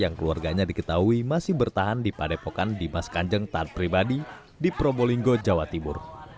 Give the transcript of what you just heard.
yang keluarganya diketahui masih bertahan di padepokan di maskan jengtaat pribadi di probolinggo jawa tibur